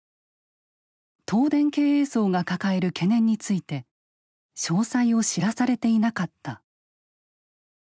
東電経営層が抱える懸念について詳細を知らされていなかった。